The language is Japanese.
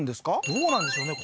どうなんでしょうね